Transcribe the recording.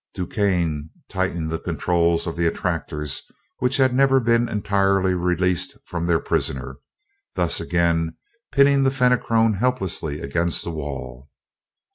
DuQuesne tightened the controls of the attractors, which had never been entirely released from their prisoner, thus again pinning the Fenachrone helplessly against the wall.